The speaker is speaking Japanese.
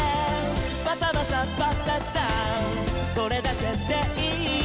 「バサバサッバッサッサーそれだけでいい」